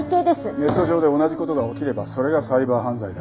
ネット上で同じ事が起きればそれがサイバー犯罪だ。